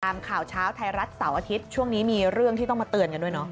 ข่าวเช้าไทยรัฐเสาร์อาทิตย์ช่วงนี้มีเรื่องที่ต้องมาเตือนกันด้วยเนาะ